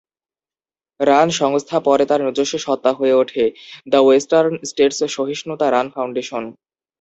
Run সংস্থা পরে তার নিজস্ব সত্তা হয়ে ওঠে: দ্য ওয়েস্টার্ন স্টেটস সহিষ্ণুতা রান ফাউন্ডেশন।